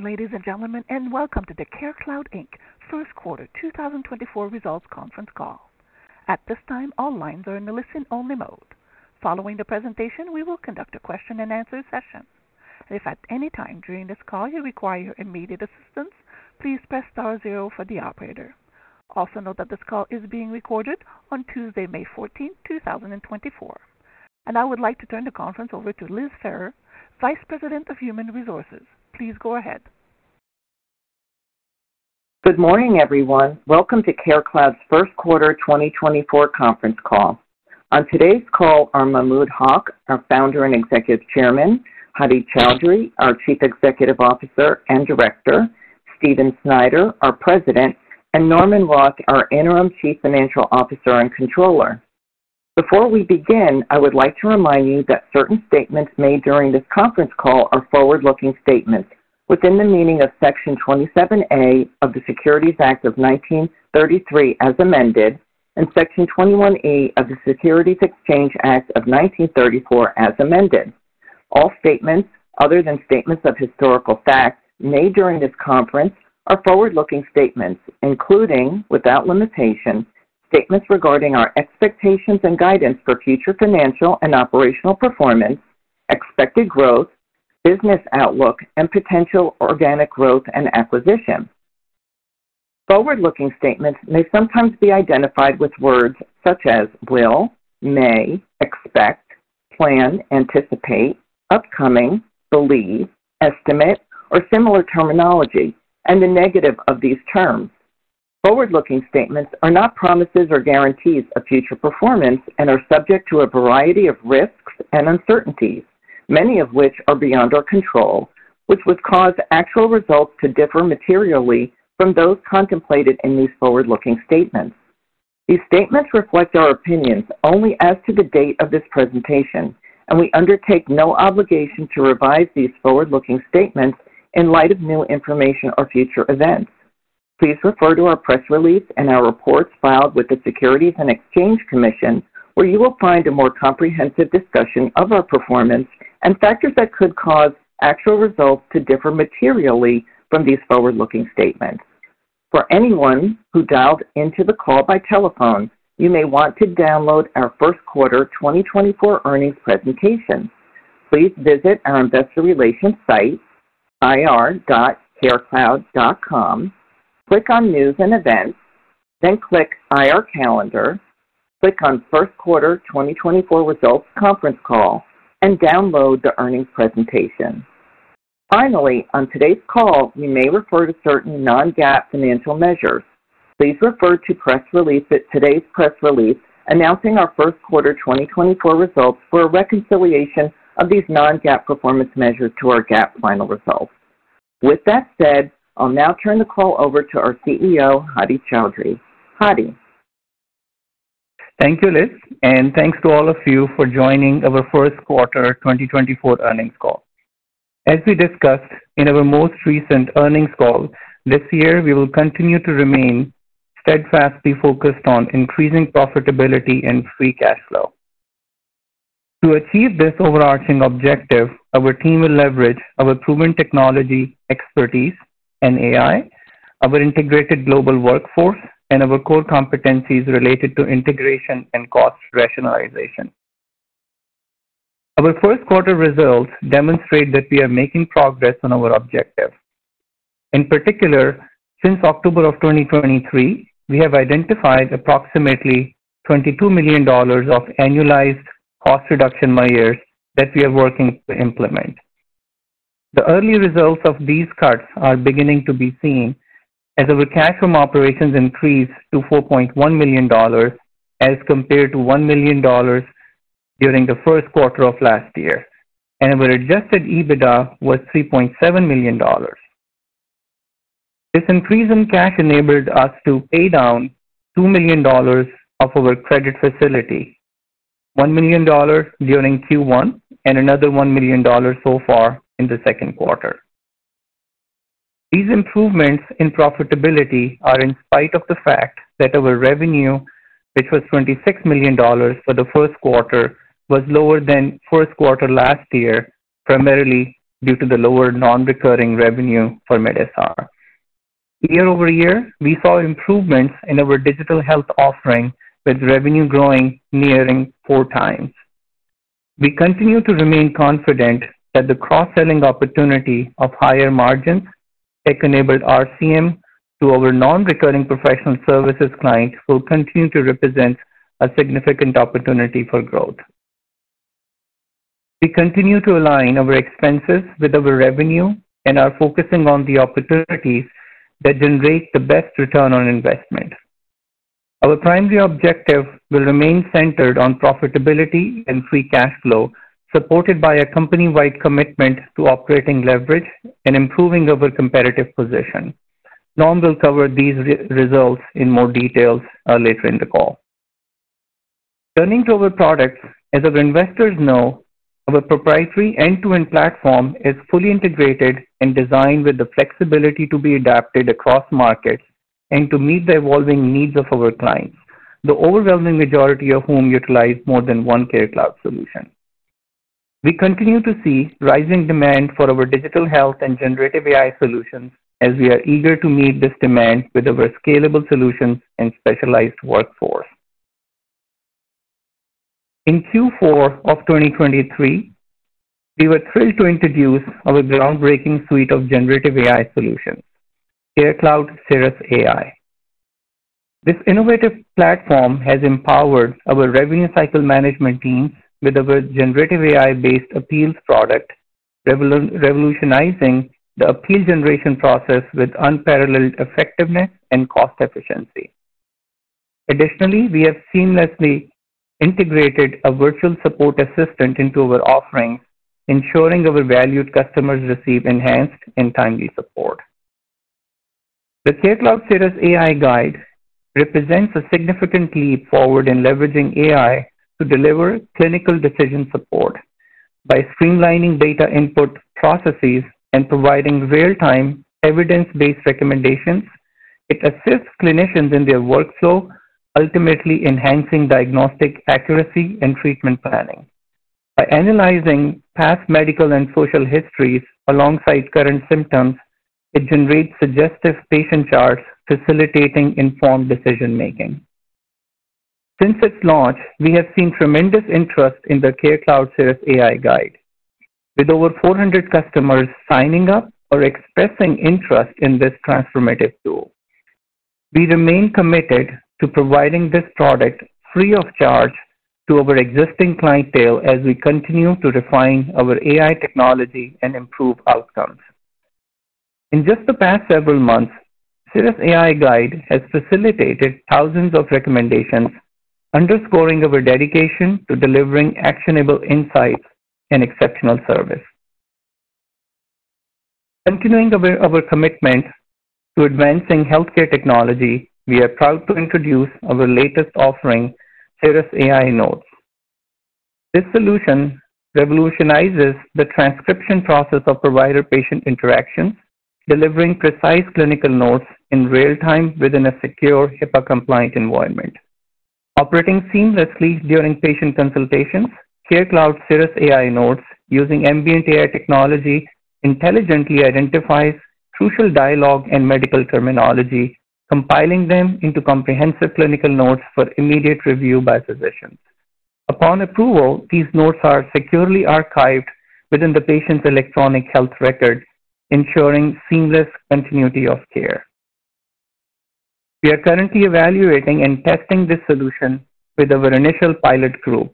Ladies and gentlemen, and welcome to the CareCloud, Inc. First Quarter 2024 Results Conference Call. At this time, all lines are in a listen-only mode. Following the presentation, we will conduct a question-and-answer session. If at any time during this call you require immediate assistance, please press star zero for the operator. Also note that this call is being recorded on Tuesday, May 14, 2024. I would like to turn the conference over to Liz Ferrer, Vice President of Human Resources. Please go ahead. Good morning, everyone. Welcome to CareCloud's First Quarter 2024 Conference Call. On today's call are Mahmud Haq, our Founder and Executive Chairman; Hadi Chaudhry, our Chief Executive Officer and Director; Stephen Snyder, our President; and Norman Roth, our Interim Chief Financial Officer and Controller. Before we begin, I would like to remind you that certain statements made during this conference call are forward-looking statements within the meaning of Section 27A of the Securities Act of 1933 as amended and Section 21E of the Securities Exchange Act of 1934 as amended. All statements other than statements of historical fact made during this conference are forward-looking statements, including, without limitation, statements regarding our expectations and guidance for future financial and operational performance, expected growth, business outlook, and potential organic growth and acquisition. Forward-looking statements may sometimes be identified with words such as will, may, expect, plan, anticipate, upcoming, believe, estimate, or similar terminology, and the negative of these terms. Forward-looking statements are not promises or guarantees of future performance and are subject to a variety of risks and uncertainties, many of which are beyond our control, which would cause actual results to differ materially from those contemplated in these forward-looking statements. These statements reflect our opinions only as to the date of this presentation, and we undertake no obligation to revise these forward-looking statements in light of new information or future events. Please refer to our press release and our reports filed with the Securities and Exchange Commission, where you will find a more comprehensive discussion of our performance and factors that could cause actual results to differ materially from these forward-looking statements. For anyone who dialed into the call by telephone, you may want to download our first quarter 2024 earnings presentation. Please visit our Investor Relations site, ir.carecloud.com, click on News and Events, then click IR calendar, click on First Quarter 2024 Results Conference Call, and download the earnings presentation. Finally, on today's call, you may refer to certain non-GAAP financial measures. Please refer to today's press release announcing our first quarter 2024 results for a reconciliation of these non-GAAP performance measures to our GAAP final results. With that said, I'll now turn the call over to our CEO, Hadi Chaudhry. Hadi. Thank you, Liz, and thanks to all of you for joining our first quarter 2024 earnings call. As we discussed in our most recent earnings call, this year we will continue to remain steadfastly focused on increasing profitability and free cash flow. To achieve this overarching objective, our team will leverage our proven technology expertise and AI, our integrated global workforce, and our core competencies related to integration and cost rationalization. Our first quarter results demonstrate that we are making progress on our objective. In particular, since October of 2023, we have identified approximately $22 million of annualized cost reduction measures that we are working to implement. The early results of these cuts are beginning to be seen as our cash from operations increased to $4.1 million as compared to $1 million during the first quarter of last year, and our Adjusted EBITDA was $3.7 million. This increase in cash enabled us to pay down $2 million of our credit facility, $1 million during Q1 and another $1 million so far in the second quarter. These improvements in profitability are in spite of the fact that our revenue, which was $26 million for the first quarter, was lower than first quarter last year, primarily due to the lower non-recurring revenue for MedSR. Year-over-year, we saw improvements in our digital health offering, with revenue growing nearing four times. We continue to remain confident that the cross-selling opportunity of higher margins, tech-enabled RCM, to our non-recurring professional services clients will continue to represent a significant opportunity for growth. We continue to align our expenses with our revenue and are focusing on the opportunities that generate the best return on investment. Our primary objective will remain centered on profitability and free cash flow, supported by a company-wide commitment to operating leverage and improving our competitive position. Norm will cover these results in more details later in the call. Turning to our products, as our investors know, our proprietary end-to-end platform is fully integrated and designed with the flexibility to be adapted across markets and to meet the evolving needs of our clients, the overwhelming majority of whom utilize more than one CareCloud solution. We continue to see rising demand for our digital health and generative AI solutions as we are eager to meet this demand with our scalable solutions and specialized workforce. In Q4 of 2023, we were thrilled to introduce our groundbreaking suite of generative AI solutions, CareCloud cirrusAI. This innovative platform has empowered our revenue cycle management teams with our generative AI-based appeals product, revolutionizing the appeal generation process with unparalleled effectiveness and cost efficiency. Additionally, we have seamlessly integrated a virtual support assistant into our offerings, ensuring our valued customers receive enhanced and timely support. The CareCloud cirrusAI Guide represents a significant leap forward in leveraging AI to deliver clinical decision support. By streamlining data input processes and providing real-time, evidence-based recommendations, it assists clinicians in their workflow, ultimately enhancing diagnostic accuracy and treatment planning. By analyzing past medical and social histories alongside current symptoms, it generates suggestive patient charts facilitating informed decision-making. Since its launch, we have seen tremendous interest in the CareCloud cirrusAI Guide, with over 400 customers signing up or expressing interest in this transformative tool. We remain committed to providing this product free of charge to our existing clientele as we continue to refine our AI technology and improve outcomes. In just the past several months, CirrusAI Guide has facilitated thousands of recommendations, underscoring our dedication to delivering actionable insights and exceptional service. Continuing our commitment to advancing healthcare technology, we are proud to introduce our latest offering, cirrusAI Notes. This solution revolutionizes the transcription process of provider-patient interactions, delivering precise clinical notes in real-time within a secure HIPAA-compliant environment. Operating seamlessly during patient consultations, CareCloud cirrusAI Notes, using Ambient AI technology, intelligently identifies crucial dialogue and medical terminology, compiling them into comprehensive clinical notes for immediate review by physicians. Upon approval, these notes are securely archived within the patient's electronic health record, ensuring seamless continuity of care. We are currently evaluating and testing this solution with our initial pilot group.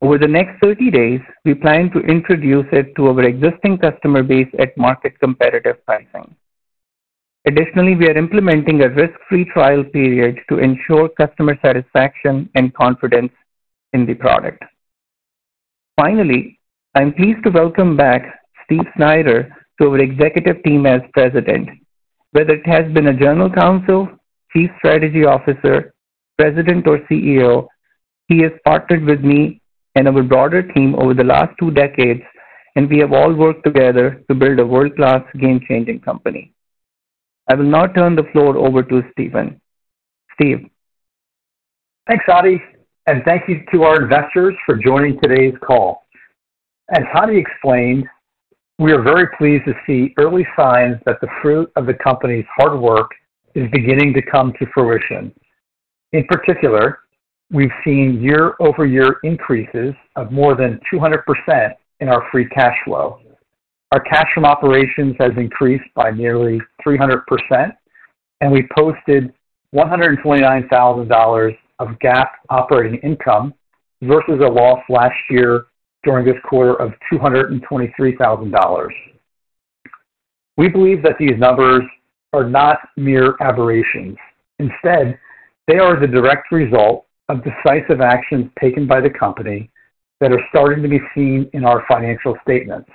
Over the next 30 days, we plan to introduce it to our existing customer base at market-competitive pricing. Additionally, we are implementing a risk-free trial period to ensure customer satisfaction and confidence in the product. Finally, I'm pleased to welcome back Stephen Snyder to our executive team as President. Whether it has been a General Counsel, Chief Strategy Officer, President, or CEO, he has partnered with me and our broader team over the last two decades, and we have all worked together to build a world-class, game-changing company. I will now turn the floor over to Stephen. Stephen. Thanks, Hadi, and thank you to our investors for joining today's call. As Hadi explained, we are very pleased to see early signs that the fruit of the company's hard work is beginning to come to fruition. In particular, we've seen year-over-year increases of more than 200% in our free cash flow. Our cash from operations has increased by nearly 300%, and we posted $129,000 of GAAP operating income versus a loss last year during this quarter of $223,000. We believe that these numbers are not mere aberrations. Instead, they are the direct result of decisive actions taken by the company that are starting to be seen in our financial statements.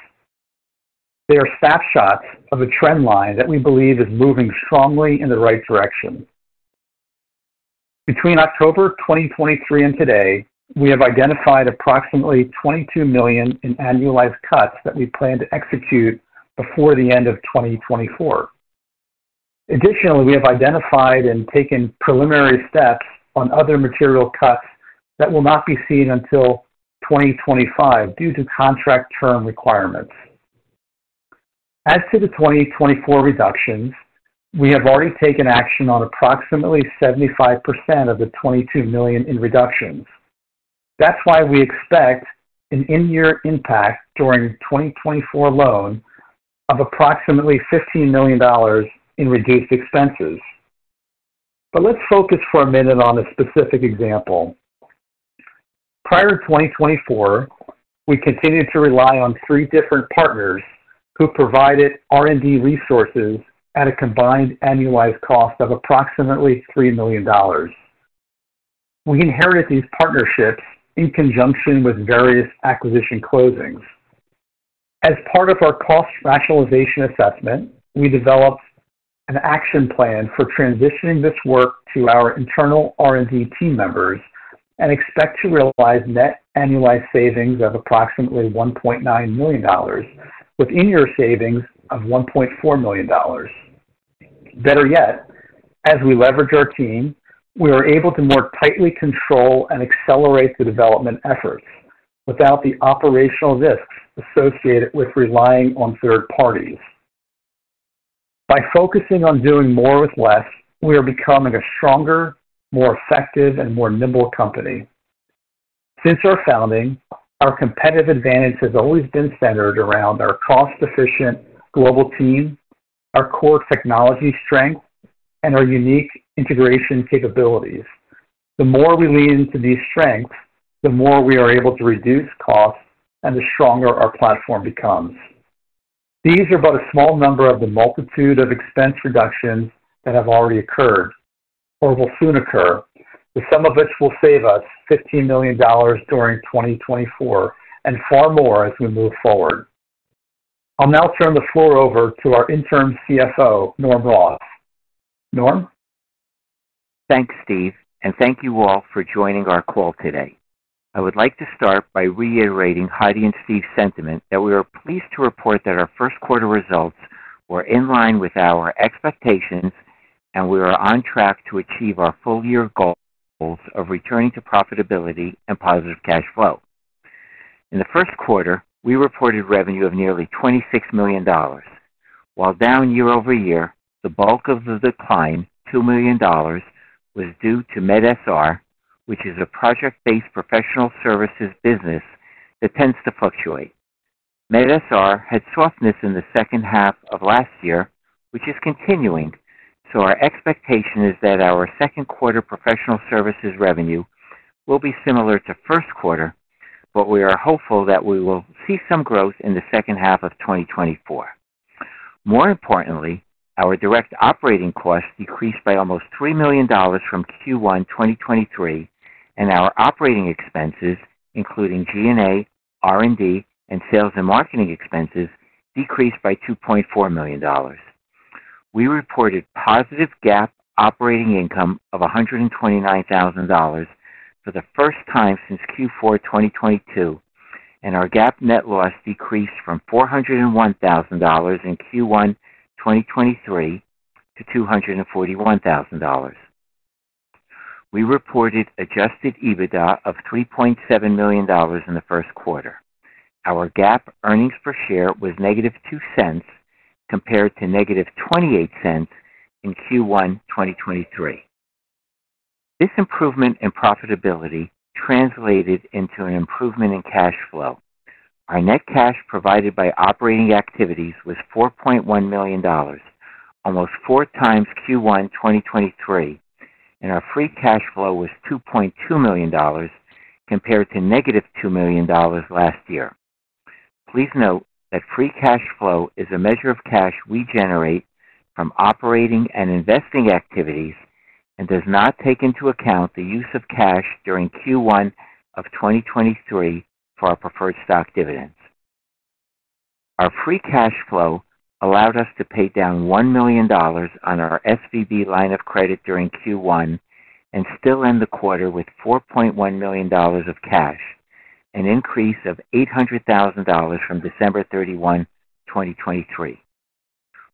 They are snapshots of a trend line that we believe is moving strongly in the right direction. Between October 2023 and today, we have identified approximately $22 million in annualized cuts that we plan to execute before the end of 2024. Additionally, we have identified and taken preliminary steps on other material cuts that will not be seen until 2025 due to contract term requirements. As to the 2024 reductions, we have already taken action on approximately 75% of the $22 million in reductions. That's why we expect an in-year impact during 2024 alone of approximately $15 million in reduced expenses. But let's focus for a minute on a specific example. Prior to 2024, we continued to rely on three different partners who provided R&D resources at a combined annualized cost of approximately $3 million. We inherited these partnerships in conjunction with various acquisition closings. As part of our cost rationalization assessment, we developed an action plan for transitioning this work to our internal R&D team members and expect to realize net annualized savings of approximately $1.9 million with in-year savings of $1.4 million. Better yet, as we leverage our team, we are able to more tightly control and accelerate the development efforts without the operational risks associated with relying on third parties. By focusing on doing more with less, we are becoming a stronger, more effective, and more nimble company. Since our founding, our competitive advantage has always been centered around our cost-efficient global team, our core technology strength, and our unique integration capabilities. The more we lean into these strengths, the more we are able to reduce costs, and the stronger our platform becomes. These are but a small number of the multitude of expense reductions that have already occurred or will soon occur, some of which will save us $15 million during 2024 and far more as we move forward. I'll now turn the floor over to our interim CFO, Norman Roth. Norm. Thanks, Steve, and thank you all for joining our call today. I would like to start by reiterating Hadi and Steve's sentiment that we are pleased to report that our first quarter results were in line with our expectations, and we are on track to achieve our full-year goals of returning to profitability and positive cash flow. In the first quarter, we reported revenue of nearly $26 million, while down year-over-year, the bulk of the decline, $2 million, was due to MedSR, which is a project-based professional services business that tends to fluctuate. MedSR had softness in the second half of last year, which is continuing, so our expectation is that our second quarter professional services revenue will be similar to first quarter, but we are hopeful that we will see some growth in the second half of 2024. More importantly, our direct operating costs decreased by almost $3 million from Q1 2023, and our operating expenses, including G&A, R&D, and sales and marketing expenses, decreased by $2.4 million. We reported positive GAAP operating income of $129,000 for the first time since Q4 2022, and our GAAP net loss decreased from $401,000 in Q1 2023 to $241,000. We reported adjusted EBITDA of $3.7 million in the first quarter. Our GAAP earnings per share was -$0.02 compared to -$0.28 in Q1 2023. This improvement in profitability translated into an improvement in cash flow. Our net cash provided by operating activities was $4.1 million, almost four times Q1 2023, and our free cash flow was $2.2 million compared to negative $2 million last year. Please note that free cash flow is a measure of cash we generate from operating and investing activities and does not take into account the use of cash during Q1 of 2023 for our preferred stock dividends. Our free cash flow allowed us to pay down $1 million on our SVB line of credit during Q1 and still end the quarter with $4.1 million of cash, an increase of $800,000 from December 31, 2023.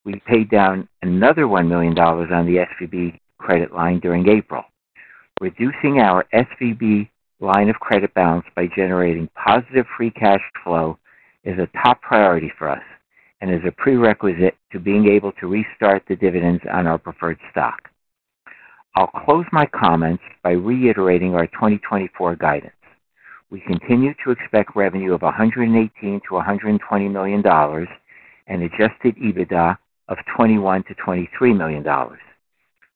We paid down another $1 million on the SVB credit line during April. Reducing our SVB line of credit balance by generating positive free cash flow is a top priority for us and is a prerequisite to being able to restart the dividends on our preferred stock. I'll close my comments by reiterating our 2024 guidance. We continue to expect revenue of $118-$120 million and Adjusted EBITDA of $21 million-$23 million.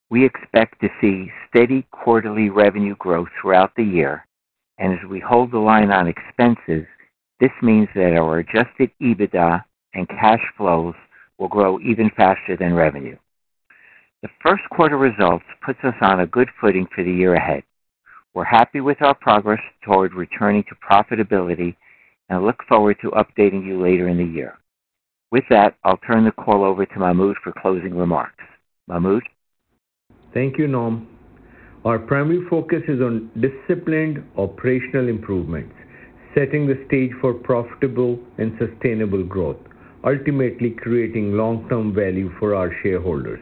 We expect to see steady quarterly revenue growth throughout the year, and as we hold the line on expenses, this means that our Adjusted EBITDA and cash flows will grow even faster than revenue. The first quarter results put us on a good footing for the year ahead. We're happy with our progress toward returning to profitability and look forward to updating you later in the year. With that, I'll turn the call over to Mahmud for closing remarks. Mahmud. Thank you, Norm. Our primary focus is on disciplined operational improvements, setting the stage for profitable and sustainable growth, ultimately creating long-term value for our shareholders.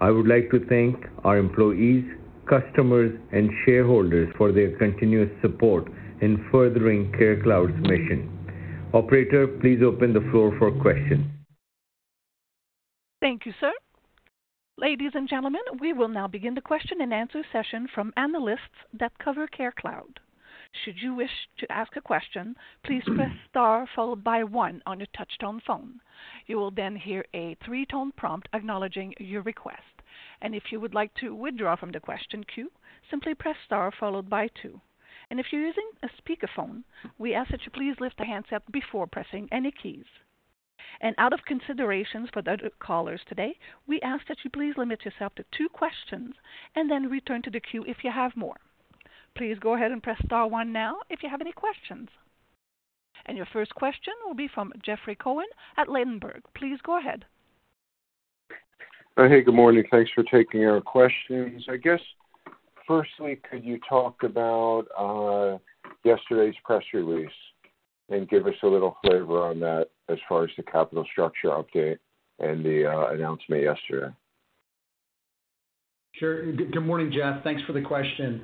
I would like to thank our employees, customers, and shareholders for their continuous support in furthering CareCloud's mission. Operator, please open the floor for questions. Thank you, sir. Ladies and gentlemen, we will now begin the question and answer session from analysts that cover CareCloud. Should you wish to ask a question, please press star followed by one on your touch-tone phone. You will then hear a three-tone prompt acknowledging your request, and if you would like to withdraw from the question queue, simply press star followed by two. If you're using a speakerphone, we ask that you please lift a handset before pressing any keys. Out of considerations for the callers today, we ask that you please limit yourself to two questions and then return to the queue if you have more. Please go ahead and press star one now if you have any questions. Your first question will be from Jeffrey Cohen at Ladenburg Thalmann. Please go ahead. Hey, good morning. Thanks for taking our questions. I guess, firstly, could you talk about yesterday's press release and give us a little flavor on that as far as the capital structure update and the announcement yesterday? Sure. Good morning, Jeff. Thanks for the question.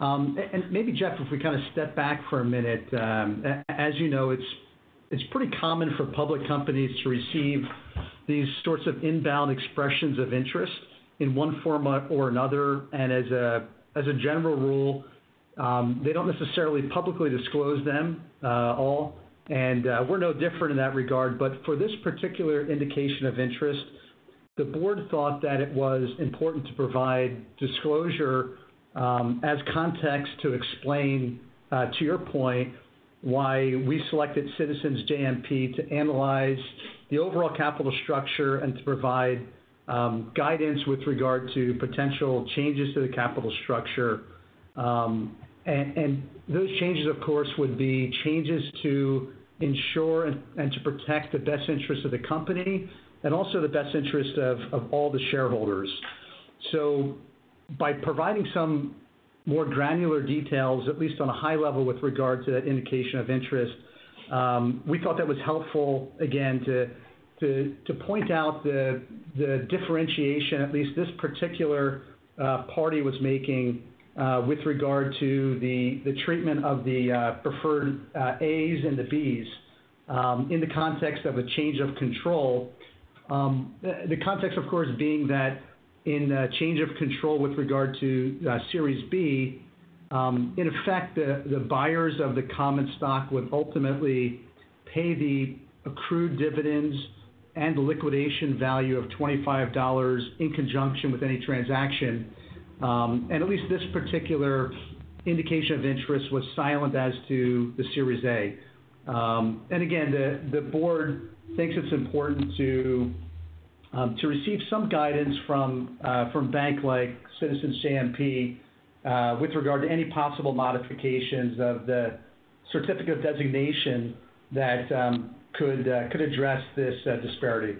And maybe, Jeff, if we kind of step back for a minute. As you know, it's pretty common for public companies to receive these sorts of inbound expressions of interest in one format or another, and as a general rule, they don't necessarily publicly disclose them all. And we're no different in that regard. But for this particular indication of interest, the board thought that it was important to provide disclosure as context to explain, to your point, why we selected Citizens JMP to analyze the overall capital structure and to provide guidance with regard to potential changes to the capital structure. And those changes, of course, would be changes to ensure and to protect the best interests of the company and also the best interests of all the shareholders. So by providing some more granular details, at least on a high level with regard to that indication of interest, we thought that was helpful, again, to point out the differentiation, at least this particular party was making with regard to the treatment of the preferred A's and the B's in the context of a change of control. The context, of course, being that in a change of control with regard to Series B, in effect, the buyers of the common stock would ultimately pay the accrued dividends and the liquidation value of $25 in conjunction with any transaction. And at least this particular indication of interest was silent as to the Series A. And again, the board thinks it's important to receive some guidance from a bank like Citizens JMP with regard to any possible modifications of the certificate of designation that could address this disparity.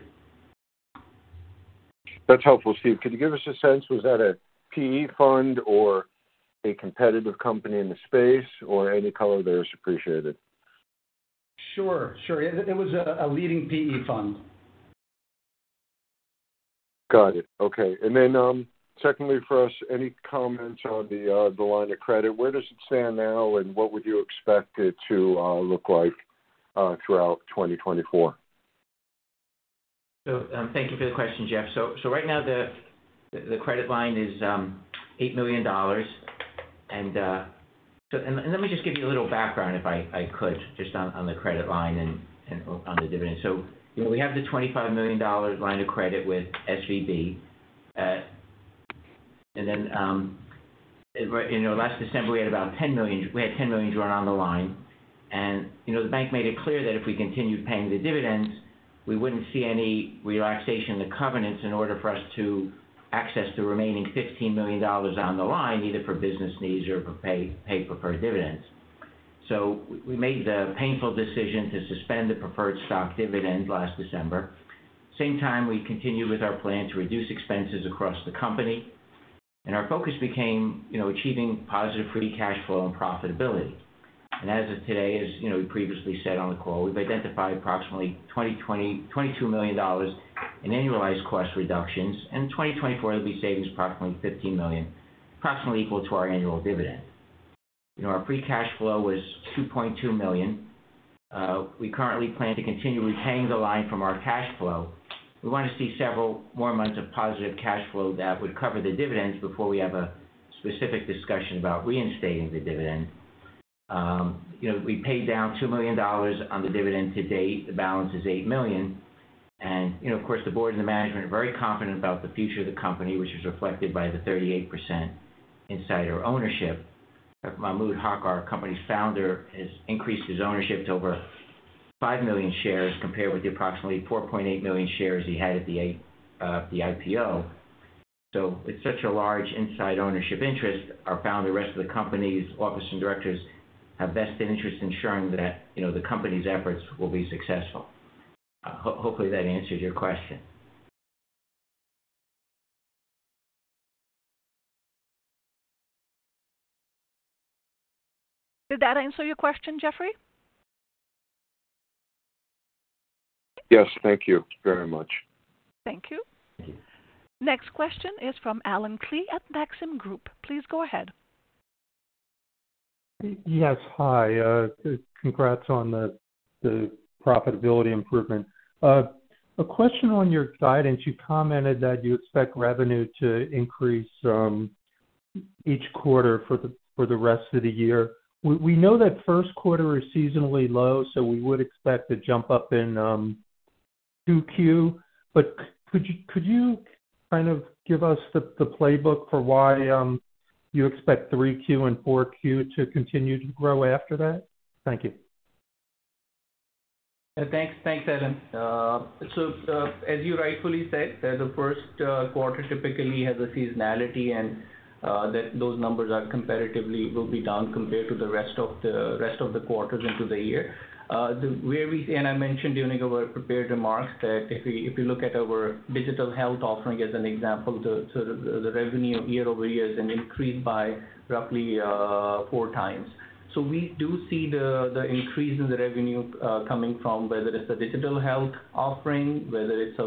That's helpful, Steve. Could you give us a sense? Was that a PE fund or a competitive company in the space, or any color there is appreciated? Sure, sure. It was a leading PE fund. Got it. Okay. And then secondly for us, any comments on the line of credit? Where does it stand now, and what would you expect it to look like throughout 2024? So thank you for the question, Jeff. So right now, the credit line is $8 million. Let me just give you a little background, if I could, just on the credit line and on the dividends. We have the $25 million line of credit with SVB. And then last December, we had $10 million drawn on the line. And the bank made it clear that if we continued paying the dividends, we wouldn't see any relaxation in the covenants in order for us to access the remaining $15 million on the line, either for business needs or to pay preferred dividends. So we made the painful decision to suspend the preferred stock dividend last December. Same time, we continued with our plan to reduce expenses across the company, and our focus became achieving positive free cash flow and profitability. As of today, as we previously said on the call, we've identified approximately $22 million in annualized cost reductions, and in 2024, there'll be savings of approximately $15 million, approximately equal to our annual dividend. Our free cash flow was $2.2 million. We currently plan to continue repaying the line from our cash flow. We want to see several more months of positive cash flow that would cover the dividends before we have a specific discussion about reinstating the dividend. We paid down $2 million on the dividend to date. The balance is $8 million. Of course, the board and the management are very confident about the future of the company, which is reflected by the 38% insider ownership. Mahmud Haq, our company's founder, has increased his ownership to over 5 million shares compared with the approximately 4.8 million shares he had at the IPO. It's such a large inside ownership interest. Our founder, the rest of the company's officers and directors have vested interest in ensuring that the company's efforts will be successful. Hopefully, that answered your question. Did that answer your question, Jeffrey? Yes. Thank you very much. Thank you. Next question is from Alan Klee at Maxim Group. Please go ahead. Yes. Hi. Congrats on the profitability improvement. A question on your guidance, you commented that you expect revenue to increase each quarter for the rest of the year. We know that first quarter is seasonally low, so we would expect a jump up in 2Q. But could you kind of give us the playbook for why you expect 3Q and 4Q to continue to grow after that? Thank you. Thanks. Thanks, Adam. So as you rightfully said, the first quarter typically has a seasonality, and those numbers will be down compared to the rest of the quarters into the year. And I mentioned during our prepared remarks that if you look at our digital health offering as an example, the revenue year-over-year has increased by roughly four times. So we do see the increase in the revenue coming from whether it's the digital health offering, whether it's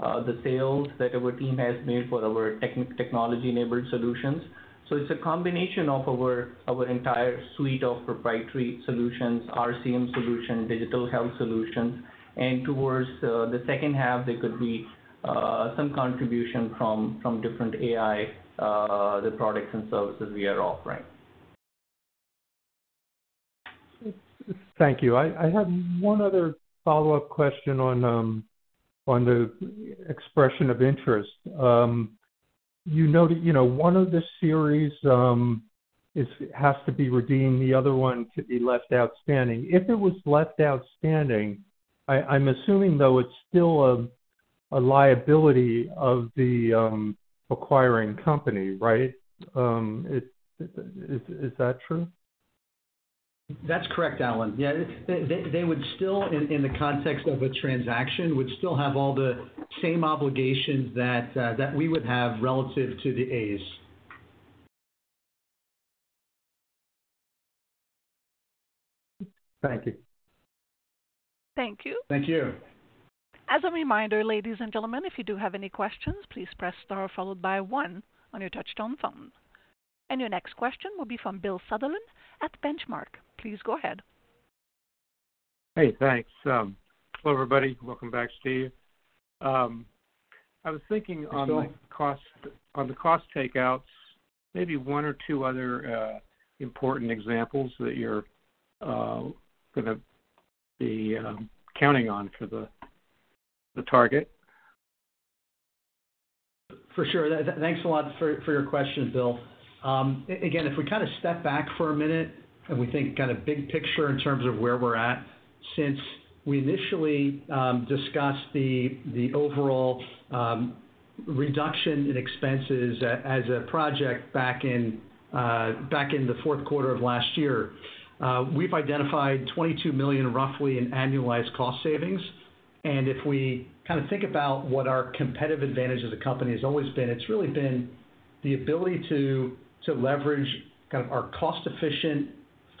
the sales that our team has made for our technology-enabled solutions. So it's a combination of our entire suite of proprietary solutions, RCM solution, digital health solutions. And towards the second half, there could be some contribution from different AI, the products and services we are offering. Thank you. I had one other follow-up question on the expression of interest. You noted one of the series has to be redeemed. The other one could be left outstanding. If it was left outstanding, I'm assuming, though, it's still a liability of the acquiring company, right? Is that true? That's correct, Alan. Yeah. They would still, in the context of a transaction, still have all the same obligations that we would have relative to the A's. Thank you. Thank you. Thank you. As a reminder, ladies and gentlemen, if you do have any questions, please press star followed by one on your touch-tone phone. Your next question will be from Bill Sutherland at Benchmark. Please go ahead. Hey, thanks. Hello, everybody. Welcome back, Steve. I was thinking on the cost takeouts, maybe one or two other important examples that you're going to be counting on for the target. For sure. Thanks a lot for your question, Bill. Again, if we kind of step back for a minute and we think kind of big picture in terms of where we're at since we initially discussed the overall reduction in expenses as a project back in the fourth quarter of last year, we've identified $22 million, roughly, in annualized cost savings. And if we kind of think about what our competitive advantage as a company has always been, it's really been the ability to leverage kind of our cost-efficient,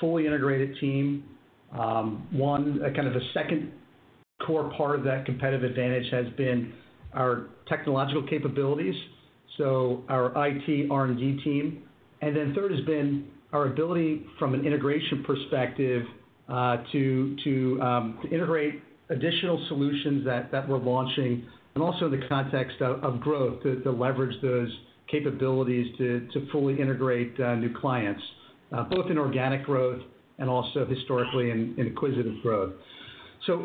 fully integrated team. One, kind of a second core part of that competitive advantage has been our technological capabilities, so our IT R&D team. And then third has been our ability, from an integration perspective, to integrate additional solutions that we're launching, and also in the context of growth, to leverage those capabilities to fully integrate new clients, both in organic growth and also historically in acquisitive growth. So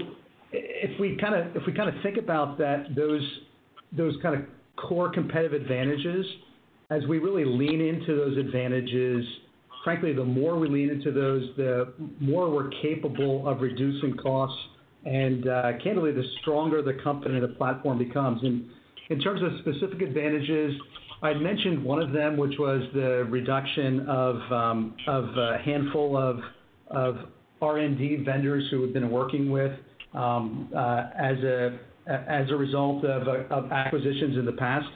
if we kind of think about those kind of core competitive advantages, as we really lean into those advantages, frankly, the more we lean into those, the more we're capable of reducing costs, and candidly, the stronger the company and the platform becomes. And in terms of specific advantages, I'd mentioned one of them, which was the reduction of a handful of R&D vendors who we've been working with as a result of acquisitions in the past.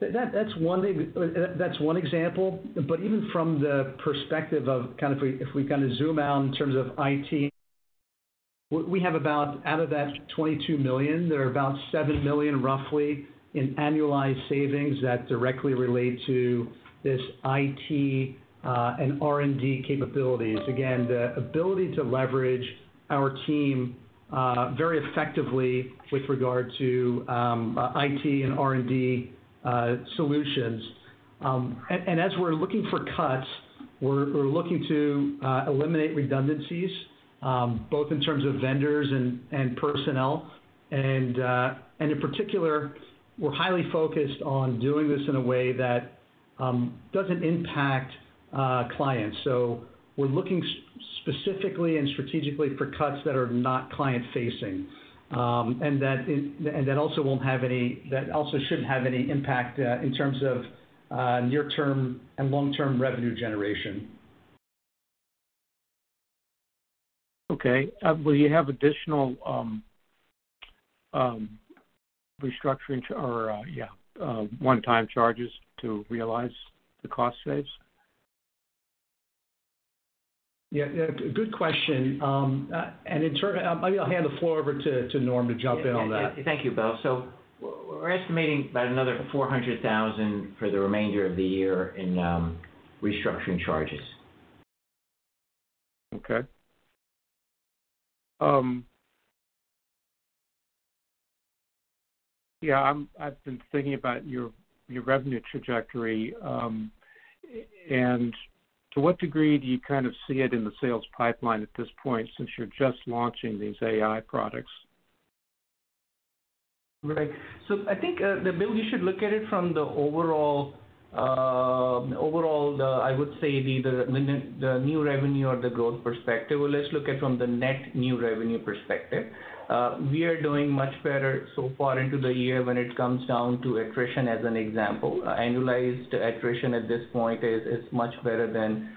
That's one example. But even from the perspective of kind of if we kind of zoom out in terms of IT, out of that $22 million, there are about $7 million, roughly, in annualized savings that directly relate to this IT and R&D capabilities. Again, the ability to leverage our team very effectively with regard to IT and R&D solutions. And as we're looking for cuts, we're looking to eliminate redundancies, both in terms of vendors and personnel. And in particular, we're highly focused on doing this in a way that doesn't impact clients. So we're looking specifically and strategically for cuts that are not client-facing and that also won't have any that also shouldn't have any impact in terms of near-term and long-term revenue generation. Okay. Will you have additional restructuring or, yeah, one-time charges to realize the cost savings? Yeah. Good question. Maybe I'll hand the floor over to Norm to jump in on that. Thank you, Bo. So we're estimating about another $400,000 for the remainder of the year in restructuring charges. Okay. Yeah. I've been thinking about your revenue trajectory. And to what degree do you kind of see it in the sales pipeline at this point since you're just launching these AI products? Right. So I think, Bill, you should look at it from the overall, I would say, the new revenue or the growth perspective. Well, let's look at it from the net new revenue perspective. We are doing much better so far into the year when it comes down to attrition, as an example. Annualized attrition at this point is much better than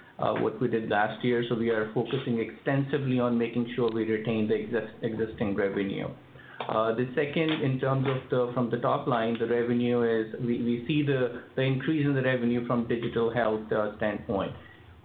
what we did last year. So we are focusing extensively on making sure we retain the existing revenue. The second, in terms of from the top line, the revenue is we see the increase in the revenue from a digital health standpoint.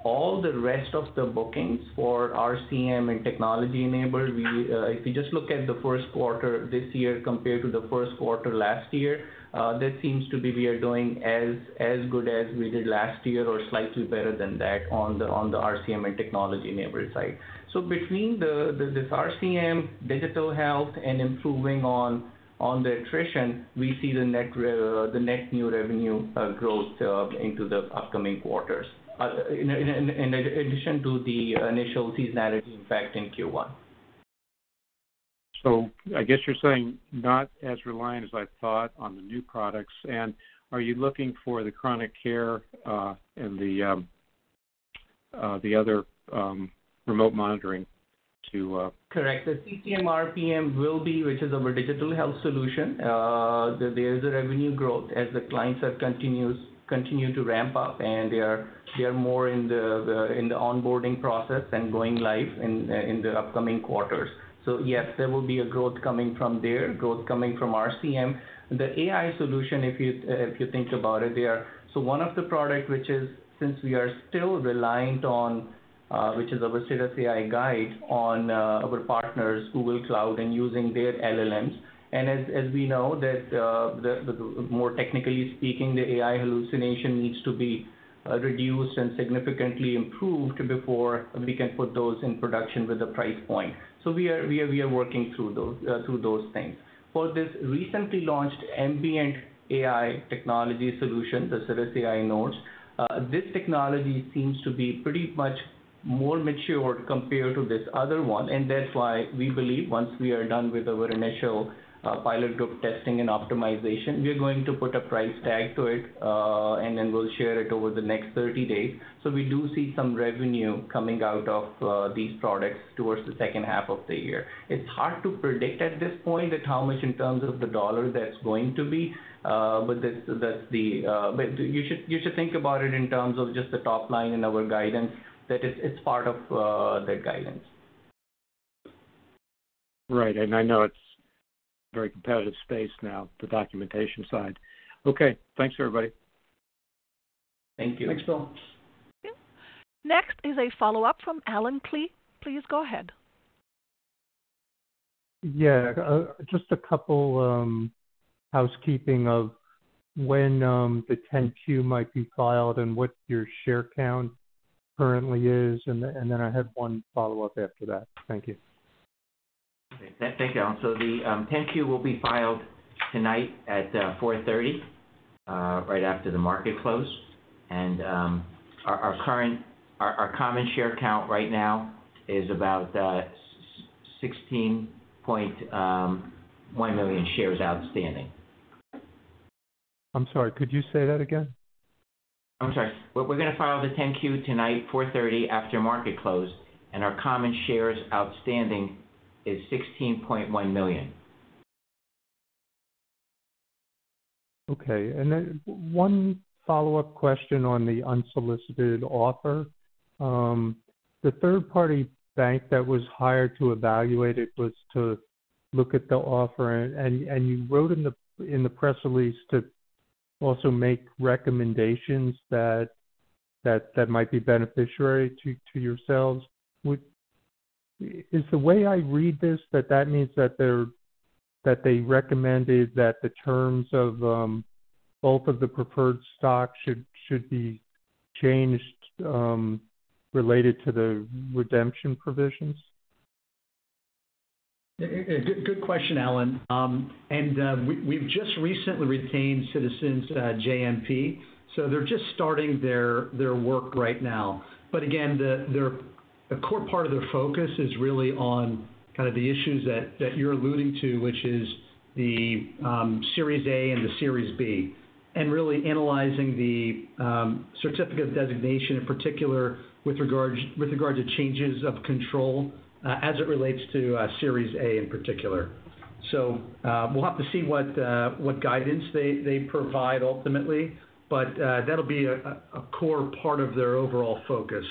All the rest of the bookings for RCM and technology-enabled, if you just look at the first quarter this year compared to the first quarter last year, that seems to be we are doing as good as we did last year or slightly better than that on the RCM and technology-enabled side. So between this RCM, digital health, and improving on the attrition, we see the net new revenue growth into the upcoming quarters, in addition to the initial seasonality impact in Q1. I guess you're saying not as reliant as I thought on the new products. Are you looking for the chronic care and the other remote monitoring to? Correct. The CCM and RPM will be, which is our digital health solution. There is a revenue growth as the clients continue to ramp up, and they are more in the onboarding process and going live in the upcoming quarters. So yes, there will be a growth coming from there, growth coming from RCM. The AI solution, if you think about it, there are so one of the products, which is since we are still reliant on which is our cirrusAI Guide on our partners, Google Cloud, and using their LLMs. And as we know that, more technically speaking, the AI hallucination needs to be reduced and significantly improved before we can put those in production with a price point. So we are working through those things. For this recently launched ambient AI technology solution, the cirrusAI Notes, this technology seems to be pretty much more matured compared to this other one. And that's why we believe, once we are done with our initial pilot group testing and optimization, we are going to put a price tag to it, and then we'll share it over the next 30 days. So we do see some revenue coming out of these products towards the second half of the year. It's hard to predict at this point how much in terms of the dollar that's going to be, but that's the but you should think about it in terms of just the top line in our guidance, that it's part of that guidance. Right. I know it's a very competitive space now, the documentation side. Okay. Thanks, everybody. Thank you. Thanks, Bill. Next is a follow-up from Alan Klee. Please go ahead. Yeah. Just a couple housekeeping of when the 10-Q might be filed and what your share count currently is. Then I have one follow-up after that. Thank you. Thank you, Alan. So the 10-Q will be filed tonight at 4:30 P.M., right after the market close. Our common share count right now is about 16.1 million shares outstanding. I'm sorry. Could you say that again? I'm sorry. We're going to file the 10-Q tonight, 4:30 P.M., after market close. Our common shares outstanding is 16.1 million. Okay. And then one follow-up question on the unsolicited offer. The third-party bank that was hired to evaluate it was to look at the offer. And you wrote in the press release to also make recommendations that might be beneficial to yourselves. Is the way I read this, that that means that they recommended that the terms of both of the preferred stocks should be changed related to the redemption provisions? Good question, Alan. We've just recently retained Citizens JMP. They're just starting their work right now. Again, a core part of their focus is really on kind of the issues that you're alluding to, which is the Series A and the Series B, and really analyzing the Certificate of Designation, in particular, with regard to changes of control as it relates to Series A in particular. We'll have to see what guidance they provide, ultimately, but that'll be a core part of their overall focus.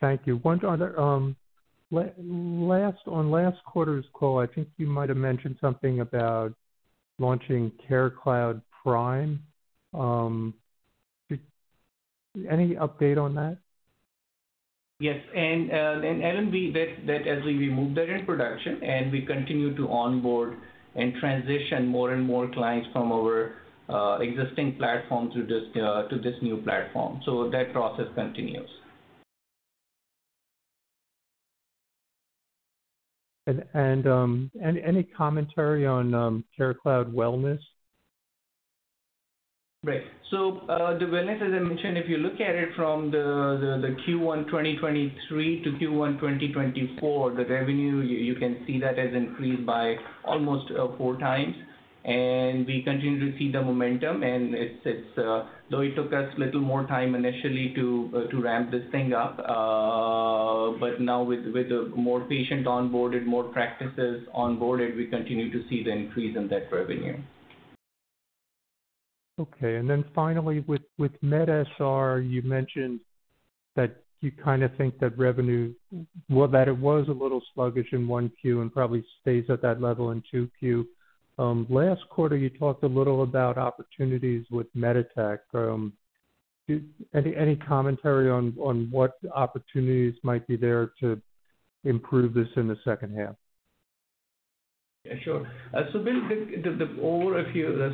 Thank you. One other. On last quarter's call, I think you might have mentioned something about launching CareCloud Prime. Any update on that? Yes. Alan, as we moved that into production, and we continue to onboard and transition more and more clients from our existing platform to this new platform, so that process continues. Any commentary on CareCloud Wellness? Right. So the wellness, as I mentioned, if you look at it from the Q1 2023 to Q1 2024, the revenue, you can see that has increased by almost four times. We continue to see the momentum. Though it took us a little more time initially to ramp this thing up, but now with more patients onboarded, more practices onboarded, we continue to see the increase in that revenue. Okay. And then finally, with medSR, you mentioned that you kind of think that revenue that it was a little sluggish in 1Q and probably stays at that level in 2Q. Last quarter, you talked a little about opportunities with Meditech. Any commentary on what opportunities might be there to improve this in the second half? Sure. So, Bill,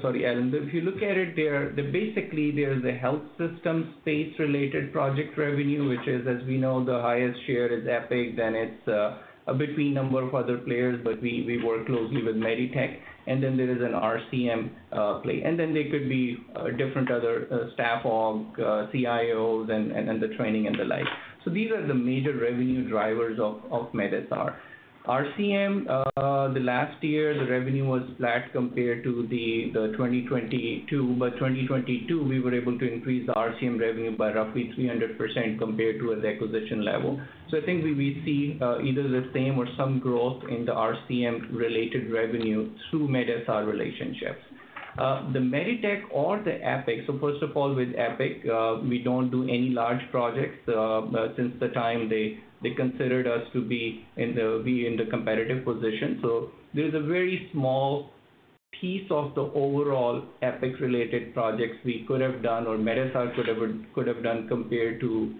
sorry, Alan. If you look at it there, basically, there's a health systems space-related project revenue, which is, as we know, the highest share is Epic. Then it's between a number of other players, but we work closely with Meditech. And then there is an RCM play. And then there could be different other staff aug, CIOs, and the training and the like. So these are the major revenue drivers of medSR. RCM, the last year, the revenue was flat compared to 2022. But 2022, we were able to increase the RCM revenue by roughly 300% compared to its acquisition level. So I think we see either the same or some growth in the RCM-related revenue through medSR relationships. The Meditech or the Epic, so first of all, with Epic, we don't do any large projects since the time they considered us to be in the competitive position. There is a very small piece of the overall Epic-related projects we could have done or medSR could have done compared to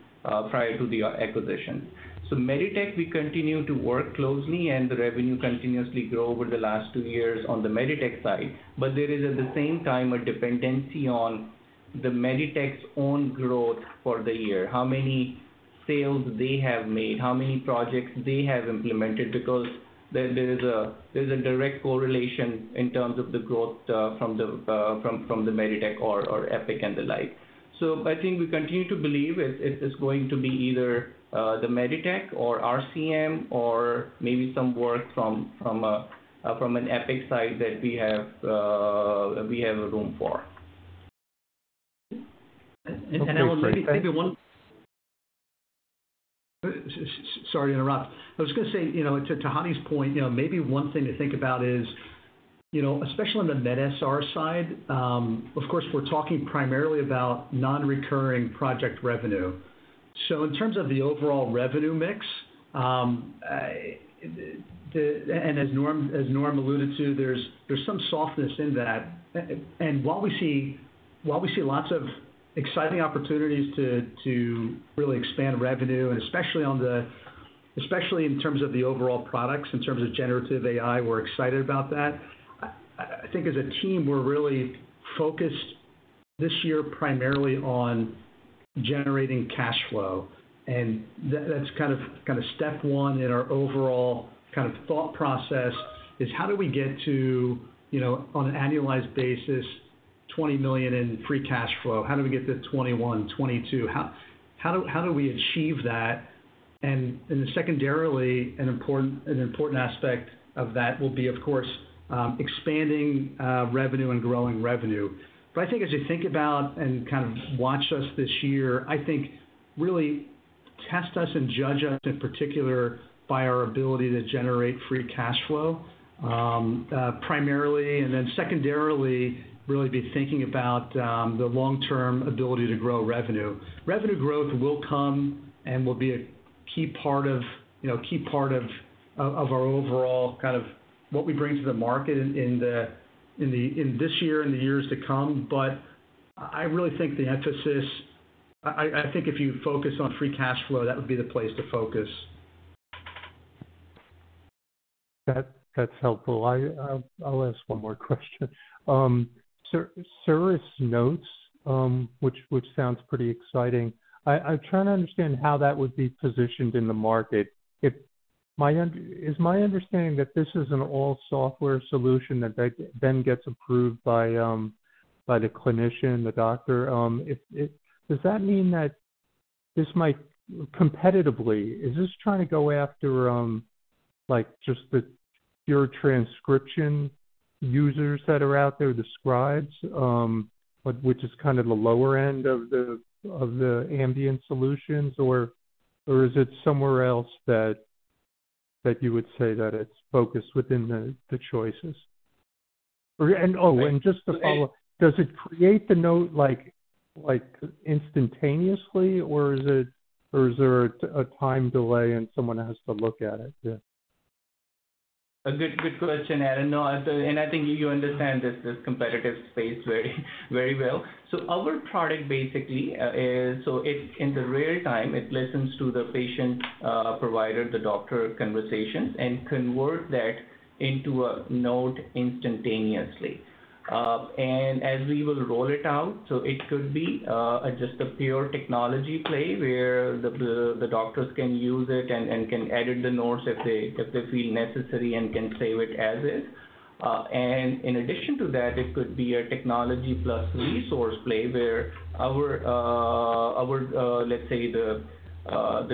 prior to the acquisition. Meditech, we continue to work closely, and the revenue continuously grows over the last two years on the Meditech side. But there is, at the same time, a dependency on the Meditech's own growth for the year, how many sales they have made, how many projects they have implemented, because there is a direct correlation in terms of the growth from the Meditech or Epic and the like. I think we continue to believe it's going to be either the Meditech or RCM or maybe some work from an Epic side that we have room for. And Alan, maybe one—sorry to interrupt. I was going to say, to Hadi's point, maybe one thing to think about is, especially on the MedSR side, of course, we're talking primarily about non-recurring project revenue. So in terms of the overall revenue mix and as Norm alluded to, there's some softness in that. And while we see lots of exciting opportunities to really expand revenue, and especially in terms of the overall products, in terms of generative AI, we're excited about that. I think, as a team, we're really focused this year primarily on generating cash flow. And that's kind of step one in our overall kind of thought process is, how do we get to, on an annualized basis, $20 million in free cash flow? How do we get to $21 million, $22 million? How do we achieve that? Secondarily, an important aspect of that will be, of course, expanding revenue and growing revenue. But I think, as you think about and kind of watch us this year, I think, really, test us and judge us, in particular, by our ability to generate free cash flow primarily and then secondarily, really be thinking about the long-term ability to grow revenue. Revenue growth will come and will be a key part of key part of our overall kind of what we bring to the market in this year and the years to come. But I really think the emphasis I think if you focus on free cash flow, that would be the place to focus. That's helpful. I'll ask one more question. Cirrus Notes, which sounds pretty exciting, I'm trying to understand how that would be positioned in the market. Is my understanding that this is an all-software solution that then gets approved by the clinician, the doctor? Does that mean that this might competitively, is this trying to go after just the pure transcription users that are out there, the scribes, which is kind of the lower end of the ambient solutions? Or is it somewhere else that you would say that it's focused within the choices? Oh, and just to follow up, does it create the note instantaneously, or is there a time delay and someone has to look at it? Good question, Alan. And I think you understand this competitive space very well. So our product, basically, is so in the real time, it listens to the patient-provider, the doctor conversations and converts that into a note instantaneously. And as we will roll it out, so it could be just a pure technology play where the doctors can use it and can edit the notes if they feel necessary and can save it as is. And in addition to that, it could be a technology-plus-resource play where our, let's say, the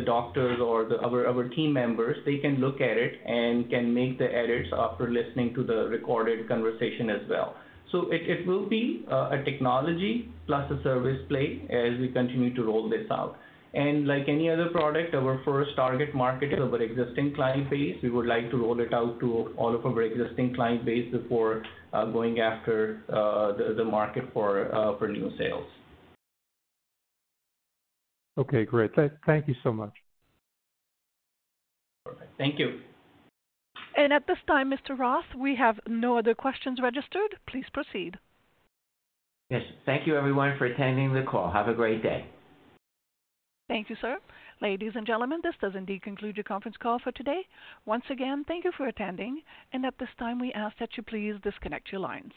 doctors or our team members, they can look at it and can make the edits after listening to the recorded conversation as well. So it will be a technology-plus-a-service play as we continue to roll this out. And like any other product, our first target market. Our existing client base. We would like to roll it out to all of our existing client base before going after the market for new sales. Okay. Great. Thank you so much. Perfect. Thank you. At this time, Mr. Roth, we have no other questions registered. Please proceed. Yes. Thank you, everyone, for attending the call. Have a great day. Thank you, sir. Ladies and gentlemen, this does indeed conclude your conference call for today. Once again, thank you for attending. At this time, we ask that you please disconnect your lines.